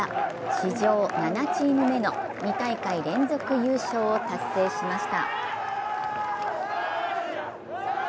史上７チーム目の２大会連続優勝を達成しました。